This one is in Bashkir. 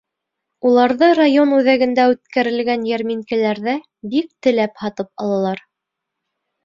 Уларҙы район үҙәгендә үткәрелгән йәрминкәләрҙә бик теләп һатып алалар.